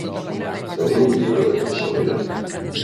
Teniu un llibre de capçalera?